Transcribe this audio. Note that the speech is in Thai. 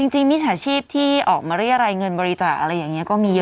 มิจฉาชีพที่ออกมาเรียรายเงินบริจาคอะไรอย่างนี้ก็มีเยอะ